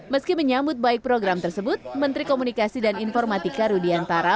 meski menyambut baik program tersebut menteri komunikasi dan informatika rudiantara